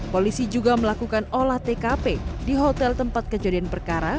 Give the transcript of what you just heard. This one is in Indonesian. polisi juga melakukan olah tkp di hotel tempat kejadian perkara